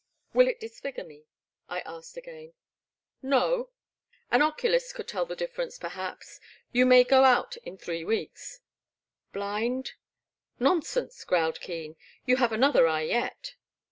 Will it disfigure me ?'* I asked again. No, — an oculist could tell the difference per haps. You may go out in three weeks. •* Blind? Nonsense,*' growled Keen, you have an other eye yet.